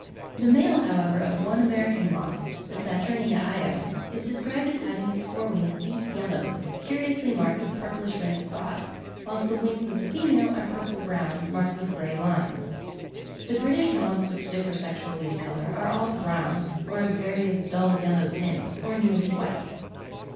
The male, however, of one American moth, the Saturnia Io, is described as having its fore wings deep yellow, curiously marked with purplish red spots; whilst the wings of the female are purple brown, marked with grey lines. (19. Harris, 'Treatise,' etc., edited by Flint, 1862, p. 395.) The British moths which differ sexually in colour are all brown, or of various dull yellow tints, or nearly white.